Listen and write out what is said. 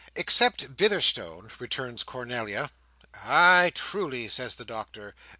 "Except Bitherstone," returns Cornelia. "Ay, truly," says the Doctor.